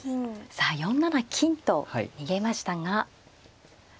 さあ４七金と逃げましたが。